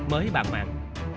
mới bàn mạng